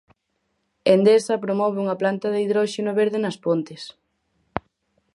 Endesa promove unha planta de hidróxeno verde nas Pontes.